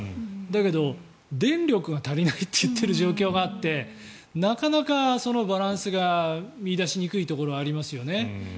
だけど、電力が足りないって言ってる状況があってなかなかバランスが見いだしにくいところはありますよね。